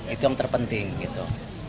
itu yang terpenting gitu